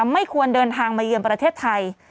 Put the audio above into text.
ไม่ควรเดินทางมาเยือนประเทศไทย